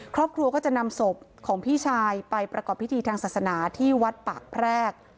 ครอบครัวก็จะนำศพของพี่ชายไปประกอบพิธีทางศาสนาที่วัดปากแพรก